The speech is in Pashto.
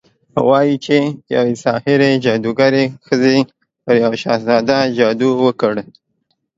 وايي چې يوې ساحرې، جادوګرې ښځې پر يو شهزاده جادو وکړ